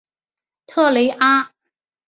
特雷阿。